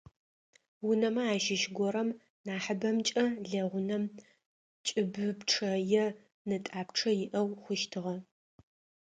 Унэмэ ащыщ горэм, нахьыбэмкӏэ лэгъунэм, кӏыбыпчъэ е нэтӏапчъэ иӏэу хъущтыгъэ.